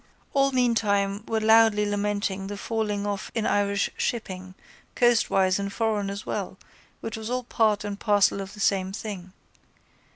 All meantime were loudly lamenting the falling off in Irish shipping, coastwise and foreign as well, which was all part and parcel of the same thing.